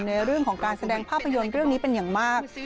ในเรื่องของการแสดงภาพยนตร์เรื่องนี้เป็นอย่างมาก